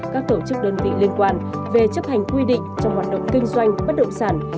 các tổ chức đơn vị liên quan về chấp hành quy định trong hoạt động kinh doanh bất động sản